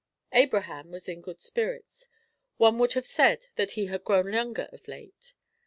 Abraham was in good spirits. One would have said that he had grown younger of late.